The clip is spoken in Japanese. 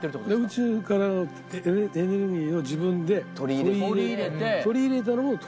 宇宙からのエネルギーを自分で取り入れ取り入れたのを。